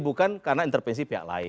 bukan karena intervensi pihak lain